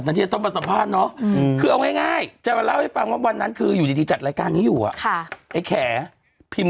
น่าก็พาคุณแม่ไม่ให้สัมภาษณ์คุณแม่ขึ้นรถเลยใช่ไหม